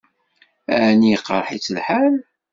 Ɛni iqṛeḥ-itt lḥal?